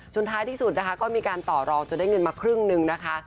ท้ายที่สุดนะคะก็มีการต่อรองจนได้เงินมาครึ่งนึงนะคะ